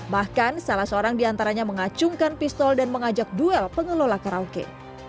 bahkan salah seorang diantaranya mengacungkan pistol dan mengajak duel pengelola karaoke